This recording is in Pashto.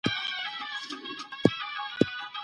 تاسي کله له دغي کوڅې تېر سواست؟